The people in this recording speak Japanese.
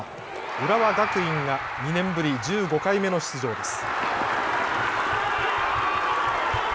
浦和学院が２年ぶり１５回目の出場です。